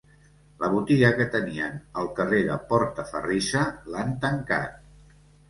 La botiga que tenien al carrer de Portaferrissa l'han tancat.